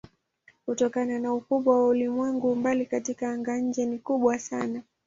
Kutokana na ukubwa wa ulimwengu umbali katika anga-nje ni kubwa sana.